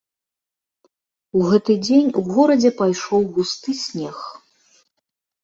У гэты дзень у горадзе пайшоў густы снег.